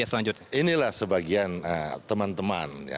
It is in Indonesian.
ini adalah sebagian teman teman